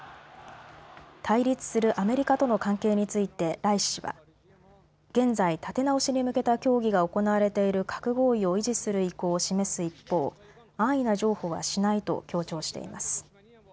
対立するアメリカとの関係についてライシ師は現在、立て直しに向けた協議が行われている核合意を維持する意向を示す一方安易な譲歩はしないと強調しています。